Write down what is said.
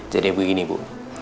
jadi begini bu